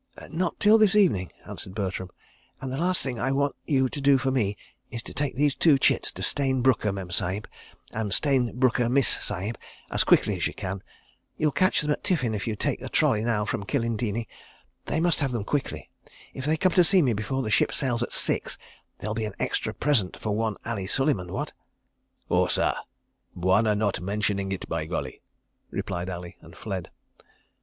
"Not till this evening," answered Bertram, "and the last thing I want you to do for me is to take these two chits to Stayne Brooker Mem Sahib and Stayne Brooker Miss Sahib as quickly as you can. You'll catch them at tiffin if you take a trolley now from Kilindini. They must have them quickly. ... If they come to see me before the ship sails at six, there'll be an extra present for one Ali Suleiman, what?" "Oh, sah! Bwana not mentioning it by golly," replied Ali and fled.